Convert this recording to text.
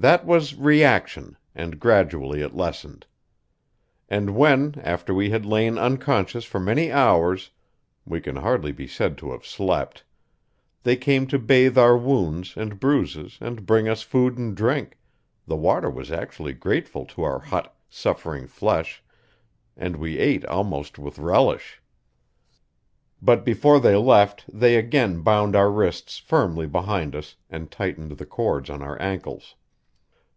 That was reaction, and gradually it lessened. And when, after we had lain unconscious for many hours (we can hardly be said to have slept) they came to bathe our wounds and bruises and bring us food and drink, the water was actually grateful to our hot, suffering flesh, and we ate almost with relish. But before they left they again bound our wrists firmly behind us, and tightened the cords on our ankles.